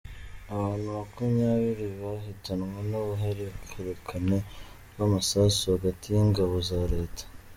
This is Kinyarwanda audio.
Abantu makumyabiri bahitanwe n’uruhererekane rw’amasasu hagati y’ingabo za Leta